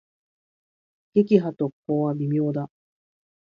撃破特攻は微妙だ。